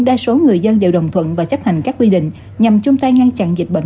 đa số người dân đều đồng thuận và chấp hành các quy định nhằm chung tay ngăn chặn dịch bệnh